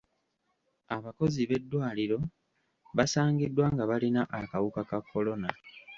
Abakozi b'eddwaliro basangiddwa nga balina akawuka ka kolona.